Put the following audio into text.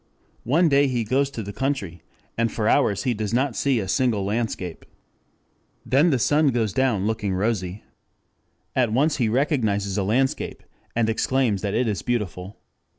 One day he goes to the country, and for hours he does not see a single landscape. Then the sun goes down looking rosy. At once he recognizes a landscape and exclaims that it is beautiful.